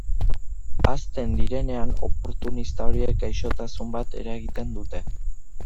Hazten direnean, oportunista horiek gaixotasun bat eragiten dute.